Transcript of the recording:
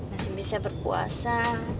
masih bisa berpuasa